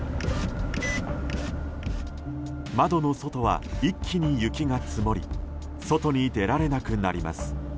窓の外は一気に雪が積もり外に出られなくなります。